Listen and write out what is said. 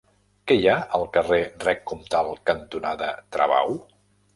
Què hi ha al carrer Rec Comtal cantonada Travau?